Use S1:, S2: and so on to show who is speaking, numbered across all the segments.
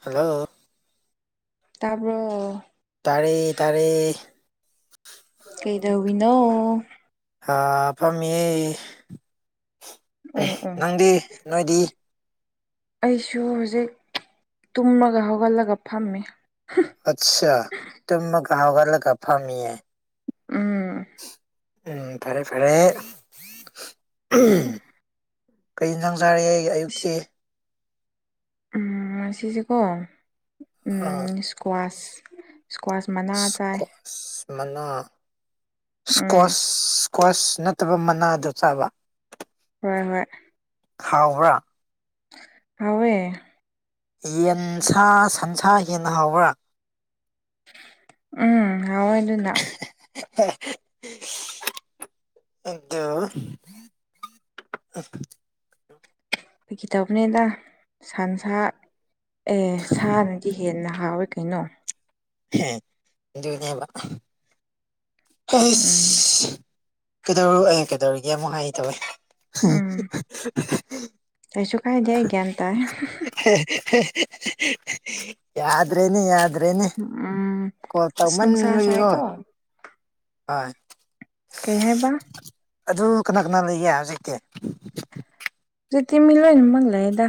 S1: hello
S2: ꯇꯥꯕ꯭ꯔꯣ
S1: ꯇꯥꯔꯦ ꯇꯥꯔꯦ
S2: ꯀꯩꯗꯧꯌꯤꯅꯣ
S1: ꯑ ꯐꯝꯃꯤꯌꯦ
S2: ꯑꯣ ꯑꯣ
S1: ꯅꯪꯗꯤ ꯅꯣꯏꯗꯤ
S2: ꯑꯩꯁꯨ ꯍꯧꯖꯤꯛ ꯇꯨꯝꯃꯒ ꯍꯧꯒꯠꯂꯒ ꯐꯝꯃꯤ
S1: ꯑꯠꯁꯥ ꯇꯨꯝꯃꯒ ꯍꯧꯒꯠꯂꯒ ꯐꯝꯃꯤꯌꯦ
S2: ꯎꯝ
S1: ꯎꯝ ꯐꯔꯦ ꯐꯔꯦ ꯀꯩ ꯏꯟꯁꯥꯡ ꯆꯥꯔꯦ ꯑꯌꯨꯛꯇꯤ
S2: ꯎꯝ ꯃꯁꯤꯁꯦꯀꯣ
S1: ꯑ
S2: ꯎꯝ ꯏꯁꯀ꯭ꯋꯥꯁ ꯏꯁꯀ꯭ꯋꯥꯁ ꯃꯅꯥ ꯆꯥꯏ
S1: ꯑꯁ ꯃꯅꯥ
S2: ꯎꯝ
S1: ꯏꯁꯀ꯭ꯋꯥꯁ ꯏꯁꯀ꯭ꯋꯥꯁ ꯅꯠꯇꯕ ꯃꯅꯥꯗꯣ ꯆꯥꯕ
S2: ꯍꯣꯏ ꯍꯣꯏ
S1: ꯍꯥꯎꯕ꯭ꯔꯥ
S2: ꯍꯥꯎꯋꯦ
S1: ꯌꯦꯟꯁꯥ ꯁꯟꯁꯥ ꯍꯦꯟꯅ ꯍꯥꯎꯕ꯭ꯔꯥ
S2: ꯎꯝ ꯍꯥꯎꯑꯦ ꯑꯗꯨꯅ
S1: [unintelligible] ꯑꯗꯨ [inaudible]
S2: ꯐꯥꯒꯤ ꯇꯧꯕꯅꯤꯗ ꯁꯟꯁꯥ ꯑꯦ ꯁꯥꯅꯗꯤ ꯍꯦꯟꯅ ꯍꯥꯎꯋꯦ ꯀꯩꯅꯣ
S1: ꯍꯦ ꯑꯗꯨꯅꯦꯕ
S2: ꯎꯝ
S1: [unintelligible] ꯀꯩꯗꯧꯔ ꯑꯩ ꯀꯩꯗꯧꯔꯤꯒꯦ ꯑꯃꯨꯛ ꯍꯥꯢꯒꯦ ꯇꯧꯋꯦ
S2: ꯎꯝ
S1: [unintelligible] [unintelligible]
S2: ꯀꯩꯁꯨ ꯀꯥꯏꯗꯦ ꯑꯩ ꯒ꯭ꯌꯥꯟ ꯇꯥꯏ
S1: [unintelligible] ꯌꯥꯗ꯭ꯔꯦꯅꯦ ꯌꯥꯗ꯭ꯔꯦꯅꯦ
S2: ꯎꯝ
S1: ꯀꯣꯜ
S2: ꯑꯁ ꯅꯨꯡꯁꯥ
S1: ꯇꯧꯃꯟꯕꯒꯤ ꯀꯣ
S2: ꯁꯥꯏꯀꯣ
S1: ꯍꯣꯏ
S2: ꯀꯩ ꯍꯥꯏꯕ
S1: ꯑꯗꯨ ꯀꯅꯥ ꯀꯅꯥ ꯂꯩꯒꯦ ꯍꯧꯖꯤꯛꯇꯤ
S2: ꯍꯧꯖꯤꯛꯇꯤ ꯃꯤ ꯂꯣꯢꯅ ꯃꯛ ꯂꯩꯌꯦꯗ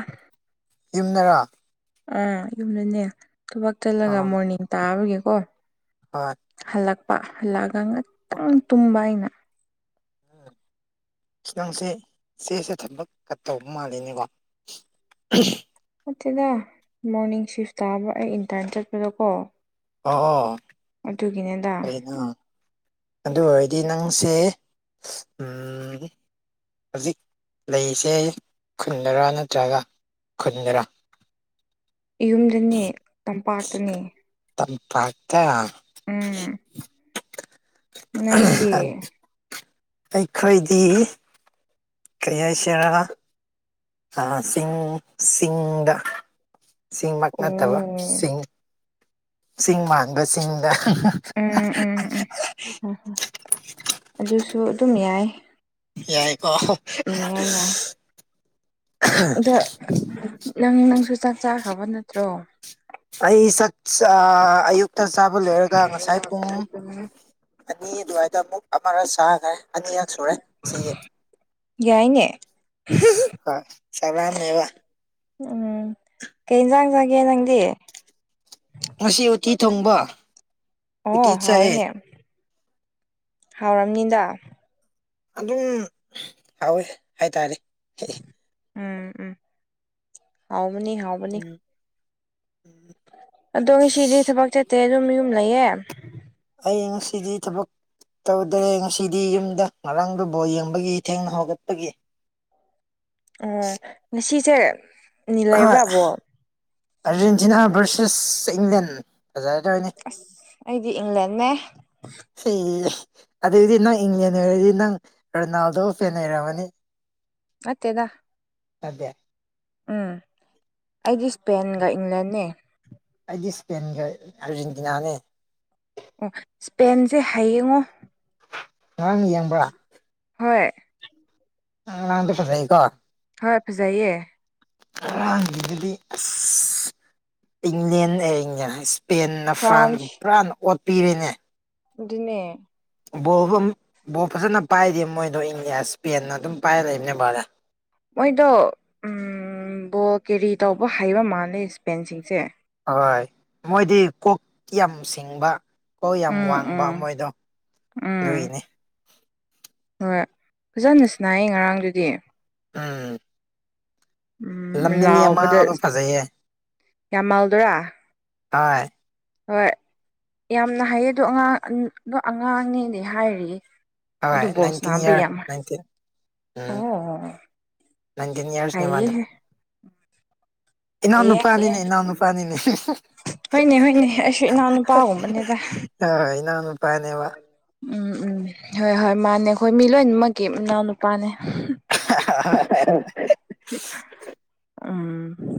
S1: ꯌꯨꯝꯗꯔꯣ
S2: ꯑꯣ ꯌꯨꯝꯗꯅꯦ ꯊꯕꯛ
S1: ꯑ
S2: ꯆꯠꯂꯒ ꯃꯣꯔꯅꯤꯡ ꯇꯥꯕꯒꯤꯀꯣ
S1: ꯍꯣꯏ
S2: ꯍꯜꯂꯛꯄ ꯍꯜꯂꯛꯑꯒ ꯉꯥꯛꯇꯪ ꯇꯨꯝꯕ ꯑꯩꯅ [inaudible]
S1: ꯢꯁ ꯅꯪꯁꯦ ꯆꯦꯁꯦ ꯊꯟꯕ ꯀꯠ ꯇꯧꯕ ꯃꯥꯜꯂꯤꯅꯦꯀꯣ [unintelligible]
S2: ꯅꯠꯇꯦꯗ ꯃꯣꯔꯅꯤꯡ ꯁꯤꯐ ꯇꯥꯕ ꯑꯩ ꯏꯟꯇꯔꯟ ꯆꯠꯄꯗꯀꯣ
S1: ꯑꯣ ꯑꯣ
S2: ꯑꯗꯨꯒꯤꯅꯦꯗ
S1: ꯀꯔꯤꯅꯣ ꯑꯗꯨ ꯑꯣꯏꯔꯗꯤ ꯅꯪꯁꯦ ꯍꯧꯖꯤꯛ ꯂꯩꯔꯤꯁꯦ ꯈꯨꯟꯗꯔꯥ ꯅꯠꯇ꯭ꯔꯒ ꯈꯨꯟꯗꯔꯥ
S2: ꯌꯨꯝꯗꯅꯦ ꯇꯝꯄꯥꯛꯇꯅꯦ
S1: ꯇꯝ ꯄꯥꯛꯇ
S2: ꯎꯝ ꯅꯪꯗꯤ
S1: ꯑꯩꯈꯣꯏꯗꯤ ꯀ꯭ꯔꯤ ꯍꯥꯏꯁꯤꯔ ꯑ ꯆꯤꯡ ꯆꯤꯡꯗ ꯆꯤꯡꯃꯛ
S2: ꯑꯣ
S1: ꯅꯠꯇꯕ ꯆꯤꯡ ꯆꯤꯡ ꯃꯥꯟꯕ ꯆꯤꯡꯗ
S2: ꯎꯝ ꯎꯝ ꯑꯗꯨꯁꯨ ꯑꯗꯨꯝ ꯌꯥꯏ
S1: ꯌꯥꯏꯀꯣ
S2: ꯎꯝ ꯌꯥꯏ ꯌꯥꯏ ꯑꯗ ꯅꯪ ꯅꯪꯁꯨ ꯆꯥꯛ ꯆꯥꯈ꯭ꯔꯕ ꯅꯠꯇ꯭ꯔꯣ
S1: ꯑꯩ ꯆꯥꯛ ꯆ ꯑ ꯑꯌꯨꯛꯇ ꯆꯥꯕ ꯂꯣꯏꯔꯒ ꯉꯁꯥꯏ ꯄꯨꯡ ꯑꯅꯤ ꯑꯗꯨꯋꯥꯏꯗ ꯑꯃꯨꯛ ꯑꯃꯔ ꯆꯥꯈ꯭ꯔꯦ ꯑꯅꯤꯔꯛ ꯁꯨꯔꯦ ꯁꯤꯒꯤ
S2: ꯌꯥꯏꯅꯦ
S1: ꯆꯥꯛ ꯂꯥꯝꯃꯦꯕ
S2: ꯎꯝ ꯀꯩ ꯌꯦꯟꯁꯥꯡ ꯆꯒꯦ ꯅꯪꯗꯤ
S1: ꯉꯁꯤ ꯎꯇꯤ ꯊꯣꯡꯕ ꯎꯇꯤ
S2: ꯑꯣ
S1: ꯆꯥꯏꯌꯦ
S2: ꯍꯥꯎꯋꯦꯅꯦ ꯍꯥꯎꯔꯝꯅꯤꯗ
S1: ꯑꯗꯨꯝ ꯍꯥꯎꯋꯦ ꯍꯥꯏꯇꯥꯔꯦ
S2: ꯎꯝ ꯎꯝ ꯍꯥꯎꯕꯅꯤ ꯍꯥꯎꯕꯅꯤ
S1: ꯎꯝ
S2: ꯑꯗꯣ ꯉꯁꯤꯗꯤ ꯊꯕꯛ ꯆꯠꯇꯦ ꯑꯗꯨꯝ ꯌꯨꯝ ꯂꯩꯌꯦ
S1: ꯑꯩ ꯉꯁꯤꯗꯤ ꯊꯕꯛ ꯇꯧꯗ꯭ꯔꯦ ꯉꯁꯤꯗꯤ ꯌꯨꯝꯗ ꯉꯔꯥꯡꯗꯨ ꯕꯣꯜ ꯌꯦꯡꯕꯒꯤ ꯊꯦꯡꯅ ꯍꯧꯒꯠꯄꯒꯤ
S2: ꯉꯁꯤꯁꯦ ꯅꯤ
S1: ꯍꯣꯏ
S2: ꯂꯩꯕ꯭ꯔꯥꯕꯣ
S1: ꯑꯥꯔꯖꯦꯟꯇꯤꯅꯥ ꯚꯔꯁꯦꯁ ꯏꯪꯂꯦꯟ ꯐꯖꯥꯔꯗꯣꯏꯅꯤ
S2: ꯑꯁ ꯑꯩꯗꯤ ꯏꯪꯂꯦꯟꯅꯦ
S1: ꯁꯤ ꯑꯗꯨꯗꯤ ꯅꯪ ꯏꯪꯂꯦꯟ ꯑꯣꯏꯔꯗꯤ ꯅꯪ ꯔꯣꯅꯥꯜꯗꯣ ꯐꯦꯟ ꯑꯣꯏꯔꯝꯃꯅꯤ
S2: ꯅꯠꯇꯦꯗ
S1: ꯅꯠꯇ‌ꯦ
S2: ꯎꯝ ꯑꯩꯗꯤ ꯁ‍꯭ꯄꯦꯟꯒ ꯏꯪꯂꯦꯟꯅꯦ
S1: ꯑꯩꯗꯤ ꯁꯄꯦꯟꯒ ꯑꯥꯔꯖꯦꯟꯇꯤꯅꯥꯅꯦ
S2: ꯑꯣ ꯁ꯭ꯄꯦꯟꯁꯦ ꯍꯩꯌꯉꯣ
S1: ꯉꯔꯥꯡ ꯌꯦꯡꯕ꯭ꯔꯥ
S2: ꯍꯣꯏ
S1: ꯑꯉꯥꯡꯗꯣ ꯐꯖꯩ ꯀꯣ
S2: ꯍꯣꯏ ꯐꯖꯩꯌꯦ
S1: ꯉꯔꯥꯡꯒꯤꯗꯗꯤ ꯑꯁ ꯏꯪꯂꯦꯟ ꯑ ꯁ꯭ꯄꯦꯟ ꯅ ꯐ꯭ꯔꯥꯟꯗꯨ
S2: ꯐ꯭ꯔꯥꯟꯁ
S1: ꯄꯨꯔꯥꯅ ꯑꯣꯠꯄꯤꯔꯤꯅꯦ
S2: ꯑꯗꯨꯅꯦ
S1: ꯕꯣꯜꯕꯨ ꯕꯣꯜ ꯐꯖꯅ ꯄꯥꯏꯗꯦ ꯃꯣꯏꯗꯣ ꯏꯪꯂꯤꯌꯥ ꯏꯁꯄꯦꯟ ꯑꯗꯨꯝ ꯄꯥꯏꯔ ꯂꯩꯕꯅꯦ ꯚꯔꯦ
S2: ꯃꯣꯏꯗꯣ ꯕꯣꯜ ꯀꯦꯔꯤ ꯇꯧꯕ ꯍꯩꯕ ꯃꯥꯜꯂꯦ ꯁ꯭ꯄꯦꯟꯁꯤꯡꯁꯦ
S1: ꯍꯣꯏ ꯃꯣꯏꯗꯤ ꯀꯣꯛ ꯌꯥꯝ ꯁꯤꯡꯕ ꯀꯣ ꯌꯥꯝ
S2: ꯎꯝ
S1: ꯋꯥꯡꯕ
S2: ꯎꯝ
S1: ꯃꯣꯏꯗꯣ
S2: ꯎꯝ
S1: ꯗꯨꯏꯅꯤ
S2: ꯍꯣꯏ ꯐꯖꯅ ꯁꯅꯥꯏꯌꯦ ꯉꯔꯥꯡꯗꯨꯗꯤ
S1: ꯎꯝ
S2: ꯎꯝ
S1: ꯂꯝꯃꯤꯜ
S2: ꯂꯥꯎꯕꯗ
S1: ꯌꯥꯃꯥꯜꯗꯣ ꯐꯖꯩꯌꯦ
S2: ꯌꯥꯃꯥꯜꯗꯨꯔ
S1: ꯍꫭꯏ
S2: ꯍꯣꯏ ꯌꯥꯝꯅ ꯍꯩꯌꯦ ꯑꯗꯣ ꯑꯉꯥꯡ ꯑꯗꯣ ꯑꯉꯥꯡꯅꯦꯗꯤ ꯍꯥꯏꯔꯤꯌꯦ ꯑꯗꯨ
S1: ꯍꯣꯏ
S2: ꯕꯣꯜ
S1: ꯅꯥꯏꯟꯇꯤꯟ
S2: ꯁꯥꯅꯕ
S1: ꯏꯌꯥꯔ
S2: ꯌꯥꯝ ꯑꫭ
S1: ꯅꯥꯏꯟꯇꯤꯟ ꯎꯝ ꯅꯥꯏꯟꯇꯤꯟ ꯌꯔꯁ ꯅꯦ ꯃꯥꯗꫭ ꯏꯅꯥꯎ
S2: ꯍꯩꯌꯦ ꯍꯩꯌꯦ
S1: ꯅꯨꯄꯥꯅꯤꯅꯦ ꯏꯅꯥꯎ ꯅꯨꯄꯥꯅꯤꯅꯦ [unintelligible]
S2: ꯍꯣꯏꯅꯦ ꯍꯣꯏꯅꯦ ꯑꯩꯁꯨ ꯏꯅꯥꯎꯅꯨꯄꯥꯒꯨꯝꯕꯅꯤꯗ
S1: ꯍꫭꯏ ꯏꯅꯥꯎꯅꯨ
S2: ꯄꯥꯅꯤ ꯎꯝ ꯎꯝ ꯍꯣꯏ ꯍꯣꯏ ꯃꯥꯅꯦ ꯈꯣꯏ ꯃꯤ ꯂꯣꯏꯅꯃꯛꯀꯤ ꯃꯅꯥꯎ ꯅꯨꯄꯥꯅꯦ [unintelligible] ꯎꯝ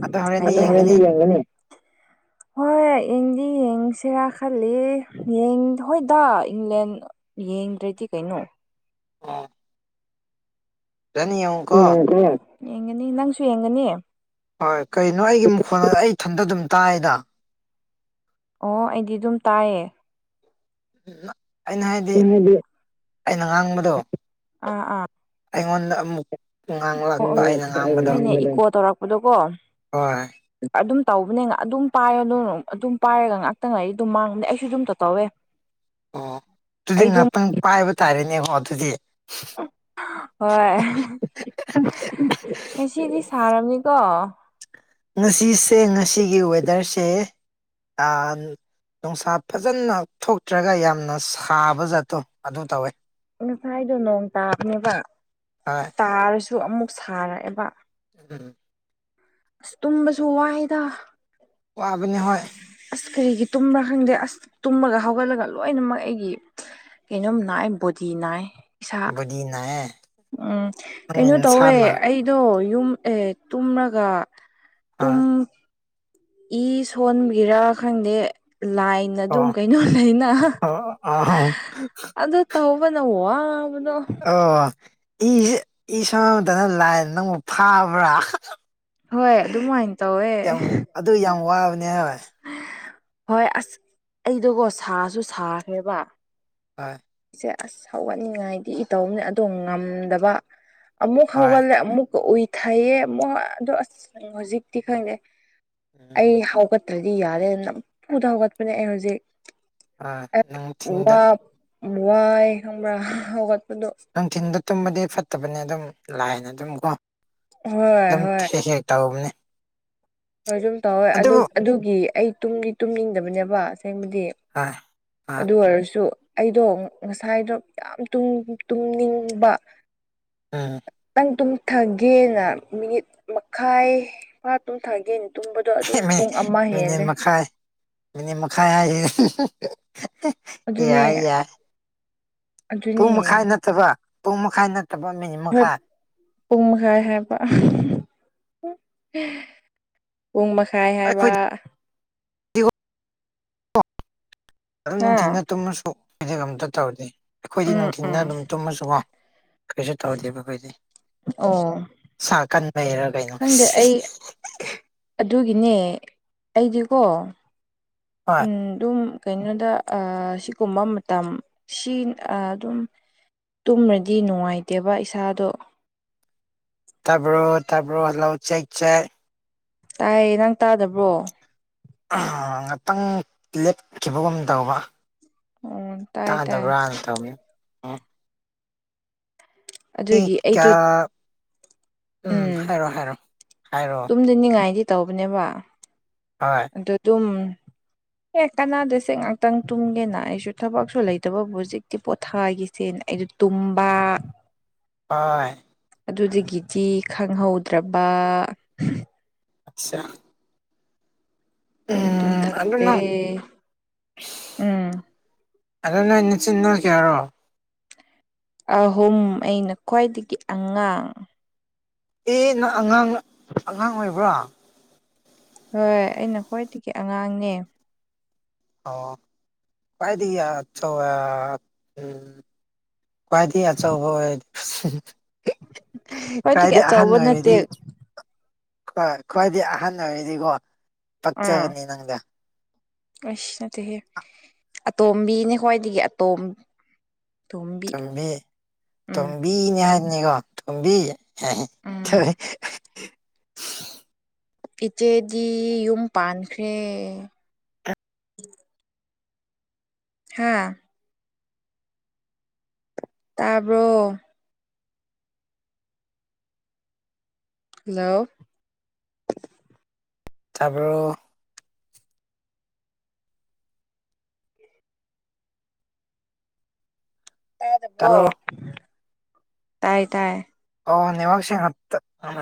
S1: ꯑꯗꯣ ꯍꯣꯔꯦꯟꯗꯤ ꯌꯦꯡꯒꯅꯤ
S2: [unintelligible] [inaudible] ꯍꯣꯏ ꯌꯦꯡꯗꯤ ꯌꯦꯡꯁꯤꯔ ꯈꯜꯂꯤ [unintelligible] ꯍꯣꯏꯗ ꯏꯪꯂꯦꯟ ꯌꯦꯡꯗ꯭ꯔꯗꯤ ꯀꯩꯅꯣ
S1: ꯑ ꯐꯖꯅ ꯌꯦꯡ
S2: [unintelligible] ꯌꯦꯡꯒꯅꯤ ꯅꯪꯁꯨ ꯌꯦꯡꯒꯅꯤ
S1: ꯍꯣꯏ ꯀꯩꯅꯣ ꯑꯩꯒꯤ ꯃꯈꯣꯟꯗꫭ ꯑꯩ ꯏꯊꯟꯗ ꯑꯗꯨꯝ ꯇꯥꯏꯗ
S2: ꯑꯣ ꯑꯩꯗꯤ ꯑꯗꯨꯝ ꯇꯥꯏꯌꯦ
S1: ꯑꯩꯅ ꯍꯥꯏꯗꯤ ꯑꯩꯅ ꯉꯥꯡꯕꯗꯨ
S2: ꯑꯥ
S1: ꯑꯩꯉꯣꯟꯗ ꯑꯃꯨꯛ
S2: ꯑꯣ
S1: ꯉꯥꯡꯂꯛꯄ ꯑꯩꯅ
S2: [unintelligible]
S1: ꯉꯥꯡꯕꯗꯣ
S2: ꯍꯣꯏꯅꯦ ꯏꯀꯣ ꯇꯧꯔꯛꯄꯗꯣ ꯀꯣ
S1: ꯍꯣꯏ
S2: ꯑꯗꯨꯝ ꯇꯧꯕꯅꯦ ꯑꯗꯨꯝ ꯄꯥꯏꯌꯨ [unintelligible] ꯑꯗꯨꯝ ꯄꯥꯏꯔꯒ ꯉꯥꯛꯇꯪ ꯂꯩ ꯑꯗꯨꯝ ꯃꯥꯡꯕꯅꯦ ꯑꯩꯁꯨ ꯑꯗꯨꯝꯇ ꯇꯧꯋꯦ [inaudible]
S1: ꯑꯣ ꯇꯨꯗꯤ
S2: ꯑꯩ ꯑꯗꯨꯝ
S1: ꯉꯥꯛꯇꯪ ꯄꯥꯏꯕ ꯇꯥꯔꯦꯅꯦꯀꯣ ꯑꯗꯨꯗꯤ
S2: ꯍꯣꯏ [unintelligible] ꯉꯁꯤꯗꯤ ꯁꯥꯔꯝꯅꯤꯀꯣ
S1: ꯉꯁꯤꯁꯦ ꯉꯁꯤꯒꯤ ꯋꯦꯗꯔꯁꯦ ꯑ ꯅꯥꯡꯁꯥ ꯐꯖꯅ ꯊꯣꯛꯇ꯭ꯔꯒ ꯌꯥꯝꯅ ꯁꯥꯕ ꯖꯥꯠꯇꯣ ꯑꯗꯨ ꯇꯧꯋꯦ
S2: ꯉꯁꯥꯏꯗꯣ ꯅꯣꯡ ꯇꯥꯕꯅꯦꯕ
S1: ꯍꯣꯏ
S2: ꯇꯥꯔꯁꯨ ꯑꯃꯨꯛ ꯁꯥꯔꯛꯑꯦꯕ
S1: [unintelligible]
S2: ꯑꯁ ꯇꯨꯝꯕꯁꯨ ꯋꯥꯏꯗ
S1: ꯋꯥꯕꯅꯦ ꯍꯣꯏ
S2: ꯑꯁ ꯀꯔꯤꯒꯤ ꯇꯨꯝꯕ꯭ꯔ ꯈꯪꯗꯦ ꯑꯁ ꯇꯨꯝꯃꯒ ꯍꯧꯒꯠꯂꯒ ꯂꯣꯏꯅꯃꯛ ꯑꯩꯒꯤ ꯀꯩꯅꯣꯝ ꯅꯥꯏ ꯕꯣꯗꯤ ꯅꯥꯏ ꯏꯁꯥ
S1: ꯕꯣꯗꯤ ꯅꯥꯏꯌꯦ
S2: ꯎꯝ
S1: ꯅꯪꯒꯤ
S2: ꯀꯩꯅꯣ ꯇꯧꯋꯦ
S1: ꯅꯁꯥꯅ
S2: ꯑꯩ ꯗꯣ ꯌꯨꯝ ꯑꯦ ꯇꯨꯝꯔꯒ
S1: ꯑ
S2: ꯇꯨꯝ ꯏ ꯁꯣꯟꯕꯒꯤꯔ ꯈꯪꯗꯦ ꯂꯥꯏꯟ ꯗ ꯗꯨꯝ
S1: ꯑꯣ
S2: ꯀꯩꯅꯣ ꯂꯩꯅ
S1: ꯑꯣ ꯑꯣ
S2: [unintelligible] ꯑꯗꯨ ꯇꯧꯕꯅ ꯋꯥꯕꯗꯣ
S1: ꯑꯣ ꯏꯖꯦ ꯏꯁꯥꯗ ꯂꯥꯏꯟ ꯅꯪꯕꯨ ꯐꯥꯕ꯭ꯔ
S2: ꯍꯣꯏ ꯑꯗꯨꯝꯃꯥꯏꯟ ꯇꯧꯋꯦ [unintelligible]
S1: ꯑꯗꯨ ꯌꯥꯝ ꯋꯥꯕꯅꯦ ꯍꯥꯥꯏꯕ
S2: ꯍꯣꯏ ꯑꯁ ꯑꯩꯗꯣꯀꯣ ꯁꯥꯁꯨ ꯁꯥꯈ꯭ꯔꯦꯕ
S1: ꯑꯥꯏ
S2: ꯏꯆꯦ ꯑꯁ ꯍꯧꯒꯠꯅꯤꯡꯉꯥꯏꯗꯤ ꯏ ꯇꯧꯕꯅꯤ ꯑꯗꯣ ꯉꯝꯗꯕ ꯑꯃꯨꯛ
S1: ꯍꯣꯏ
S2: ꯍꯧꯒꯠꯂꯦ ꯑꯃꯨꯛꯀ ꯎꯏꯊꯩꯌꯦ ꯑꯃꯨꯛ ꯑꯗꯣ ꯑꯁ ꯍꯧꯖꯤꯛꯇꯤ ꯈꯪꯗꯦ
S1: ꯎꯝ
S2: ꯑꯩ ꯍꯧꯒꯠꯇ꯭ꯔꯗꯤ ꯌꯥꯗꯦ ꯅꯝꯐꯨꯗ ꯍꯧꯒꯠꯄꯅꯦ ꯑꯩ ꯍꯧꯖꯤꯛ
S1: ꯍꯣꯏ
S2: ꯑꯦ
S1: ꯅꯨꯡꯊꯤꯟꯗ
S2: ꯋꯥ ꯋꯥꯏ ꯈꯪꯕ꯭ꯔꯥ ꯍꯧꯒꯠꯄꯗꯣ
S1: ꯅꯨꯡꯊꯤꯟꯗ ꯇꯨꯝꯕꯗꯤ ꯐꯠꯇꯕꯅꯤ ꯑꯗꯨꯝ ꯂꯥꯏꯅ ꯑꯗꯨꯝ ꯀꯣ
S2: ꯍꯣꯏ
S1: ꯑꯗꯨꯝ
S2: ꯍꯣꯏ
S1: ꯊꯦ ꯍꯦꯛ ꯇꯧꯕꯅꯦ
S2: ꯍꯣꯏ ꯁꯨꯝ ꯇꯧꯋꯦ ꯑꯗꯨ
S1: ꯑꯗꯨꯕꯨ
S2: ꯑꯗꯨꯒꯤ ꯑꯩ ꯇꯨꯝꯗꯤ ꯇꯨꯝꯅꯤꯡꯗꯕꯅꯦꯕ ꯑꯁꯦꯡꯕꯗꯤ
S1: ꯍꯣꯏ ꯍꯣꯏ
S2: ꯑꯗꯨ ꯑꯣꯏꯔꯁꯨ ꯑꯩꯗꯣ ꯉꯁꯥꯏꯗꯣ ꯌꯥꯝ ꯇꯨꯝ ꯇꯨꯝꯅꯤꯡꯕ
S1: ꯎꯝ
S2: ꯈꯤꯇꯪ ꯇꯨꯝꯊꯒꯦꯅ ꯃꯤꯅꯤꯠ ꯃꯈꯥꯏ ꯐꯥ ꯇꯨꯝꯊꯒꯦ ꯇꯨꯝꯕꯗꯣ ꯑꯗꯨꯝ ꯄꯨꯡ ꯑꯃ
S1: ꯃꯤꯅꯤꯠ
S2: ꯍꯦꯜꯂꯦ
S1: ꯃꯈꯥꯏ ꯃꯤꯅꯤꯠ ꯃꯈꯥꯏ ꯍꯥꯏꯁꯦ
S2: ꯑꯗꯨꯅꯦ
S1: ꯌꯥꯏ ꯌꯥꯏ
S2: ꯑꯗꯨꯅꯦ
S1: ꯄꯨꯡ ꯃꯈꯥꯏ ꯅꯠꯇꯕ ꯄꯨꯡ ꯃꯈꯥꯏ ꯅꯠꯇꯕ ꯃꯤꯅꯤꯠ ꯃꯈꯥꯏ
S2: ꯄꯨꯝꯍꯥꯏ ꯍꯥꯏꯕ ꯄꯨꯡ ꯃꯈꯥꯏ ꯍꯥꯏꯕ
S1: ꯑꯩꯈꯣꯏꯗꯤ ꯑꯗꯨꯝ
S2: ꯍꯥ
S1: ꯅꯨꯡꯊꯤꯗ ꯇꯨꯝꯃꯁꯨ ꯑꯩꯗꯤ ꯉꯝꯇ ꯇꯧꯅꯤ ꯑꯩꯈꯣꯏꯗꯤ
S2: ꯎꯝ
S1: ꯅꯨꯡꯊꯤꯗ
S2: ꯎꯝ
S1: ꯑꯗꯨꯝ ꯇꯨꯝꯃꯁꯨꯀꯣ ꯀꯩꯁꯨ ꯇꯧꯗꯦꯕ ꯑꯩꯈꯣꯏꯗꯤ
S2: ꯑꯣ
S1: ꯁꯥ ꯀꯟꯕꯩꯔꯥ ꯀꯩꯅꯣ
S2: ꯈꯪꯗꯦ ꯑꯩ ꯑꯗꯨꯒꯤꯅꯦ ꯑꯩꯗꯤꯀꯣ
S1: ꯍꯣꯏ
S2: ꯎꯝ ꯑꯗꯨꯝ ꯀꯩꯅꯣꯗ ꯑꯥ ꯁꯤꯒꯨꯝꯕ ꯃꯇꯝ ꯁꯤ ꯑꯥ ꯗꯨꯝ ꯇꯨꯝꯔꯗꯤ ꯅꯨꯡꯉꯥꯏꯇꯦꯕ ꯏꯁꯥꯗꯣ
S1: ꯇꯕ꯭ꯔꯣ ꯇꯥꯕ꯭ꯔꯣ ꯂꯧ ꯆꯦꯛ ꯆꯦꯛ
S2: ꯇꯥꯏꯌꯦ ꯅꯪ ꯇꯥꯗꯕ꯭ꯔꯣ
S1: ꯑꯍꯥ ꯉꯥꯛꯇꯪ ꯂꯦꯞꯈꯤꯕꯒꯨꯝ ꯇꯧꯕ
S2: ꯑꯣ ꯇꯥꯏ ꯇꯥꯏ
S1: ꯇꯥꯥꯗꯕ꯭ꯔꯥ ꯇꯧꯅꯦ
S2: ꯑꯗꯨꯒꯤ ꯑꯩꯗꯣ
S1: ꯀꯌꯥ ꯎꯝ ꯍꯥꯏꯔꯣ ꯍꯥꯏꯔꯣ ꯍꯥꯏꯔꯣ
S2: ꯅꯤꯡꯉꯥꯏꯗꯤ ꯇꯧꯕꯅꯦꯕ
S1: ꯍꯣꯏ
S2: ꯑꯗꯨ ꯗꯨꯝ ꯑꯦ ꯀꯥꯟꯅꯥꯗꯦꯁꯦ ꯉꯥꯛꯇꯪ ꯇꯨꯝꯒꯦꯅ ꯑꯩꯁꯨ ꯊꯕꯛꯁꯨ ꯂꯩꯇꯕꯕꯨ ꯍꯧꯖꯤꯛꯇꯤ ꯄꯣꯊꯥꯈꯤꯁꯦꯅ ꯑꯩꯖꯨ ꯇꯨꯝꯕꯥ
S1: ꯑꯥꯏ
S2: ꯑꯗꯨꯗꯒꯤꯗꯤ ꯈꯪꯍꯧꯗ꯭ꯔꯕ
S1: ꯑꯆꯥ
S2: ꯗꯨꯝ ꯇꯨꯝꯊꯈ꯭ꯔꯦ ꯎꯝ
S1: ꯑꯗꯣ ꯅꯪ ꯅꯆꯤꯟ ꯅꯅꯥꯎ ꯀꯥꯌꯥꯔꯣ
S2: ꯑꯍꯨꯝ ꯑꯩꯅ ꯈ꯭ꯋꯥꯏꯗꯒꯤ ꯑꯉꯥꯡ
S1: ꯑꯦ ꯅꯪ ꯑꯉꯥꯡꯅ ꯑꯉꯥꯡ ꯑꯣꯏꯕ꯭ꯔꯥ
S2: ꯍꯣꯏ ꯑꯩꯅ ꯈ꯭ꯋꯥꯏꯇꯒꯤ ꯑꯉꯥꯡꯅꯦ
S1: ꯑꯣ ꯈ꯭ꯋꯥꯏꯗꯒꯤ ꯑ ꯆꯧ ꯑꯥ ꯎꯝ ꯈ꯭ꯋꯥꯏꯗꯒꯤ ꯑꯆꯧꯕ ꯑꯣꯏ
S2: ꯈ꯭ꯋꯥꯏꯗꯒꯤ
S1: ꯀꯥꯏꯗꯤ ꯑꯍꯥꯟ
S2: ꯑꯆꯧꯕ ꯅꯠꯇꯦ
S1: ꯑꯣꯏꯔꯗꯤ ꯈꯣ ꯈ꯭ꯋꯥꯏꯗꯤ ꯑꯍꯟ ꯑꯣꯏꯔꯗꯤꯀꯣ ꯄꯛꯆꯒꯅꯤ ꯅꯪꯗꯤ
S2: ꯑꯩꯁ ꯅꯠꯇꯦꯍꯦ ꯑꯇꯣꯝꯕꯤꯅꯦ ꯈ꯭ꯋꯥꯏꯗꯒꯤ ꯑꯇꯣꯝ
S1: ꯇꯣꯝꯕꯤ
S2: ꯎꯝ
S1: ꯇꯣꯝꯕꯤꯅꯦ ꯍꯥꯏꯕꯅꯤꯀꯣ ꯇꯣꯝꯕꯤ
S2: ꯎꯝ
S1: [unintelligible]
S2: ꯏꯆꯦꯗꯤ ꯌꯨꯝ ꯄꯥꯟꯈ꯭ꯔꯦ ꯍꯥꯥ ꯇꯥꯕ꯭ꯔꯣ ꯍꯜꯂꯣ
S1: ꯇꯥꯕ꯭ꯔꯣ ꯇꯥꯕ꯭ꯔꯣ
S2: ꯇꯥꯗꯕ꯭ꯔꯣ
S1: ꯇꯥꯕ꯭ꯣ
S2: ꯇꯥꯏ ꯇꯥꯏ
S1: ꯑꯣ ꯅꯦꯋꯥꯛ ꯁꯦꯡꯅ ꯇꯠ [unintelligible]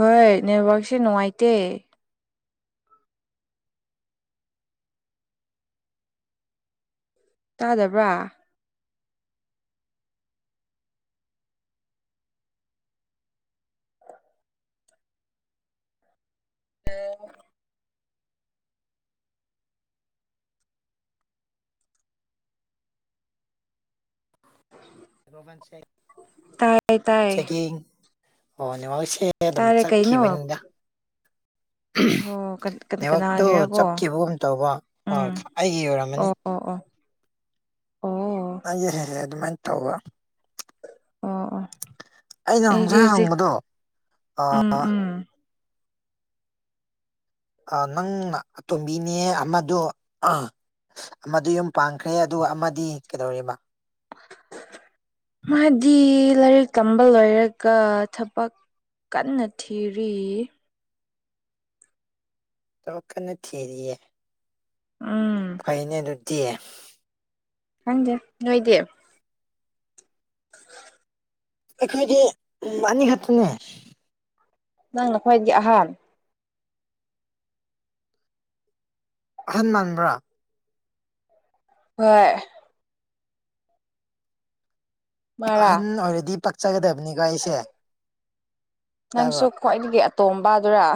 S2: ꯍꯣꯏ ꯅꯦꯠꯋꯥꯛꯁꯦ ꯅꯨꯡꯉꯥꯏꯇꯦ ꯇꯥꯗꯕ꯭ꯔꯥ [unintelligible]
S1: [unintelligible]
S2: ꯇꯥꯏ ꯇꯥꯏ
S1: ꯆꯦꯀꯤꯡ ꯑꯣ ꯅꯦꯋꯥꯛꯁꯦ ꯑꯦꯗꯝ
S2: ꯇꯥꯔꯦ ꯀꯩꯅꯣ
S1: ꯆꯠꯈꯤꯕꯅꯤꯗ
S2: ꯑꯣ ꯀꯅꯥ
S1: ꯅꯦꯠꯋꯥꯛꯇꯣ
S2: ꯀꯅꯥꯒꯤꯔꯀꯣ
S1: ꯆꯞꯈꯤꯕꯒꯨꯝ ꯇꯧꯕ ꯑꯥ
S2: ꯎꯝ
S1: ꯑꯩꯒꯤ ꯑꯣꯏꯔꯝꯃꯅꯤ
S2: ꯑꯣ ꯑꯣ ꯑꯣ
S1: ꯑꯩꯗꯤ ꯍꯦꯛ ꯍꯦꯛ ꯑꯗꯨꯃꯥꯏꯟ ꯇꯧꯕ
S2: ꯑꯣ
S1: ꯑꯩꯅ
S2: ꯑꯩꯗꯤ
S1: ꯉꯪꯁꯥꯏ
S2: ꯍꯧꯖꯤꯛ
S1: ꯍꯪꯕꯗꯣ
S2: ꯎꯝ
S1: ꯑꯥ
S2: ꯎꯝ
S1: ꯑꯥ ꯅꯪꯅ ꯑꯇꯣꯝꯕꯤꯅꯦ ꯑꯃꯗꯣ ꯑꯥ ꯑꯃꯥꯗꯨ ꯌꯨꯝ ꯄꯥꯟꯈ꯭ꯔꯦ ꯑꯗꯨꯒ ꯑꯃꯥꯗꯤ ꯀꯩꯗꯧꯔꯤꯕ
S2: ꯃꯥꯗꯤ ꯂꯥꯏꯔꯤꯛ ꯇꯝꯕ ꯂꯣꯏꯔꯒ ꯊꯕꯛ ꯀꯟꯅ ꯊꯤꯔꯤ
S1: ꯇꯧ ꯀꯟꯅ ꯊꯤꯔꯤꯌꯦ
S2: ꯎꯝ
S1: ꯐꯩꯅꯦ ꯑꯗꯨꯗꯤ
S2: ꯈꯪꯗꯦ ꯅꯣꯏꯗꯤ
S1: ꯑꯩꯈꯣꯏꯗꯤ ꯎꯝ ꯑꯅꯤ ꯈꯠꯇꯅꯦ
S2: ꯅꯪꯅ ꯈ꯭ꯋꯥꯏꯒꯤ ꯑꯍꯟ
S1: ꯑꯍꯟ ꯃꯥꯟꯕ꯭ꯔꯥ
S2: ꯍꯣꯏ ꯃꯥꯔꯥ
S1: ꯑꯍꯟ ꯑꯣꯏꯔꯗꯤ ꯄꯛꯆꯒꯗꯕꯅꯤꯀꯣ ꯑꯩꯁꯦ
S2: ꯅꯪꯁꯨ
S1: ꯇꯥꯕ꯭ꯔꯣ
S2: ꯈ꯭ꯋꯥꯏꯗꯒꯤ ꯑꯇꯣꯝꯕꯗꯨꯔꯥ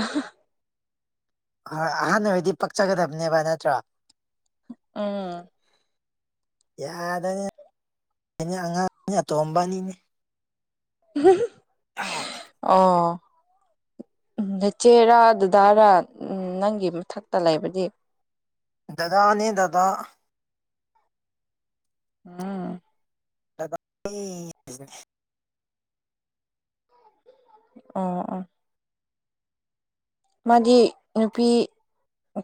S1: ꯑꯍꯣꯏ ꯑꯍꯟ ꯑꯣꯏꯔꯗꯤ ꯄꯛꯆꯒꯗꯝꯅꯦꯕ ꯅꯠꯇ꯭ꯔꯣ
S2: ꯎꯝ
S1: ꯌꯥꯗꯝꯅꯤ [unintelligible] ꯑꯇꯣꯝꯕꯅꯤꯅꯦ
S2: [unintelligible]
S1: [unintelligible]
S2: ꯑꯣ ꯎꯝ ꯅꯆꯦꯔꯥ ꯗꯗꯥꯔꯥ ꯎꯝ ꯅꯪꯒꯤ ꯃꯊꯛꯇ ꯂꯩꯕꯗꯤ
S1: ꯗꯗꯥꯅꯦ ꯗꯗꯥ
S2: ꯎꯝ
S1: [unintelligible]
S2: ꯑꯣ ꯑꯣ ꯃꯥꯗꯤ ꯅꯨꯄꯤ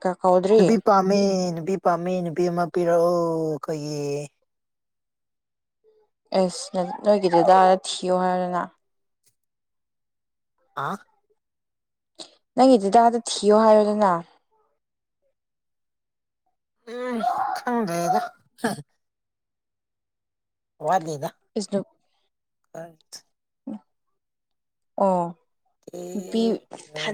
S2: ꯀꯥ ꯀꯧꯗ꯭ꯔꯤ
S1: ꯅꯨꯄꯤ ꯄꯥꯝꯃꯦ ꯅꯨꯄꯤ ꯄꯥꯝꯃꯦ ꯅꯨꯄꯤ ꯑꯃꯥ ꯄꯤꯔꯛꯑꯣ ꯈꯣꯏꯒꯤ
S2: ꯑꯦꯁ ꯅ ꯅꯣꯏꯒꯤ ꯗꯥꯗꯥ ꯊꯤꯌꯣ ꯍꯥꯏꯔꯣꯅ
S1: ꯑꯥ
S2: ꯅꯪꯒꯤ ꯗꯥꯗꯥ ꯗꯊꯤꯌꯣ ꯍꯥꯏꯌꯣꯗꯅ
S1: ꯎꯝ ꯈꯪꯗ꯭ꯔꯦꯗ ꯍꯥ ꯋꯥꯗꯦꯗ
S2: [unintelligible]
S1: ꯑꯥꯊ
S2: ꯑꯣ ꯅꯨꯄꯤ ꯊꯥꯟ